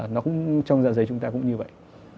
nó cũng trong dạ dày chúng ta cũng như vậy